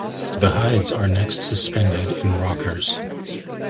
The hides are next suspended in rockers.